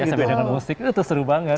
sampai dengan musik itu seru banget